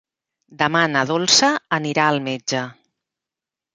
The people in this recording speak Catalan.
Demà na Dolça anirà al metge.